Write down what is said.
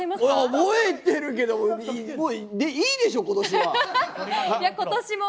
覚えてるけどいいでしょ今年は。